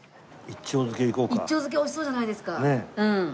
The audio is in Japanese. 一丁漬美味しそうじゃないですか。